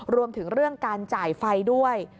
รวมถึงเรื่องการจ่ายไฟด้วย